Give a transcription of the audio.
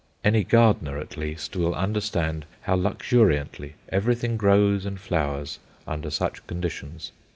Any gardener at least will understand how luxuriantly everything grows and flowers under such conditions.